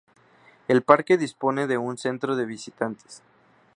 El parque dispone de un centro de visitantes.